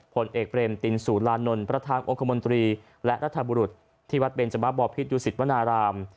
ผลเอกเพลมติดสู่ลานนลพระราชทางองค์คมนตรีและรัฐบุรุษที่วัดเบนเจมส์บ่อพิษยุสิตมณาราม